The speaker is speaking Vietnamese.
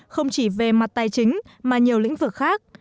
không chỉ về mặt tài chính mà nhiều lĩnh vực khác